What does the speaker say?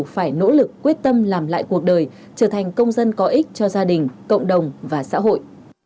phải nỗ lực quyết tâm làm lại cuộc đời trở thành công dân có ích cho gia đình cộng đồng và xã hội